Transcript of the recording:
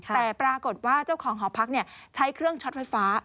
แต่ปรากฏว่าเจ้าของหอพักใช้เครื่องช็อตไฟฟ้า